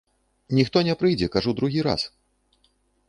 Ніхто не прыйдзе, кажу другі раз.